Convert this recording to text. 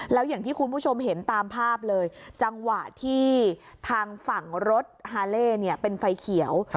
แล้วอย่างที่คุณผู้ชมเห็นตามภาพเลยจังหวะที่ทางฝั่งรถฮาเล่เป็นไฟเขียว